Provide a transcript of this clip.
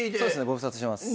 ご無沙汰してます。